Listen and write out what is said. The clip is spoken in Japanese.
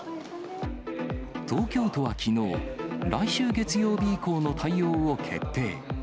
東京都はきのう、来週月曜日以降の対応を決定。